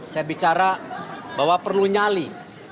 saya bicara bahwa perlu nyali